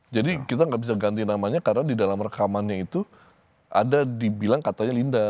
jadi kita gak bisa ganti namanya karena di dalam rekamannya itu ada dibilang katanya linda